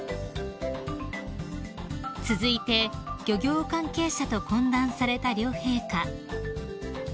［続いて漁業関係者と懇談された両陛下］